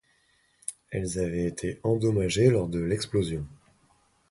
Elles avaient été endommagés lors de l'explosion.